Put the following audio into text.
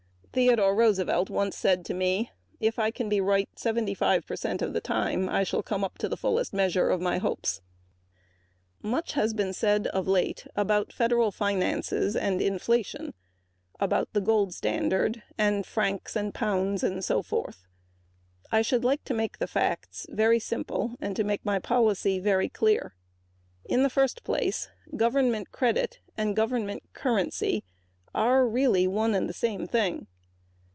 Theodore Roosevelt once said to me: "If I can be right 75 percent of the time I shall come up to the fullest measure of my hopes." Much has been said of late about federal finances and inflation, the gold standard, etc. Let me make the facts very simple and my policy very clear. In the first place, government credit and government currency are really one and the same thing.